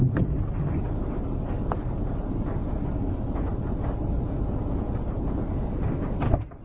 ครับ